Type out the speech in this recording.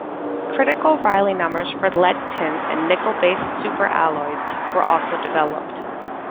Critical Rayleigh numbers for lead-tin and nickel-based super-alloys were also developed.